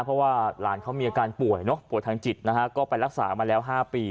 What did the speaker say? เพราะว่าหลานเขามีอาการป่วยเนี่ยป่วก็ไปรักษามาแล้ว๕ปี